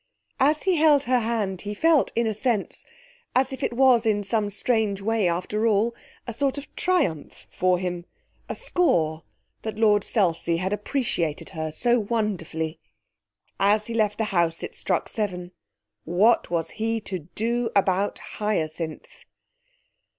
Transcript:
As he held her hand he felt, in a sense, as if it was in some strange way, after all, a sort of triumph for him, a score that Lord Selsey had appreciated her so wonderfully. As he left the house it struck seven. What was he to do about Hyacinth?